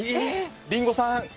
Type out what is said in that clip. リンゴさん！